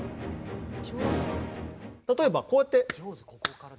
例えばこうやって。